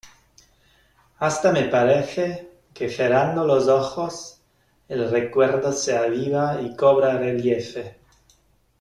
hasta me parece que cerrando los ojos, el recuerdo se aviva y cobra relieve.